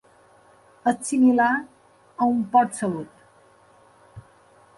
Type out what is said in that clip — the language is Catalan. És similar a un port-salut.